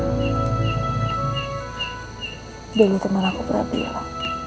jangan lupa teman aku prabi ya